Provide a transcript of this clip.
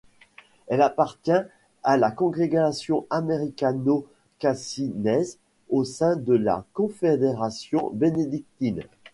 Elle appartient à la congrégation américano-cassinaise au sein de la confédération bénédictine.